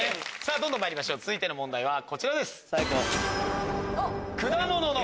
どんどんまいりましょう続いての問題はこちらです。